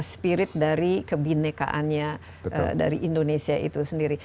spirit dari kebinekaannya dari indonesia itu sendiri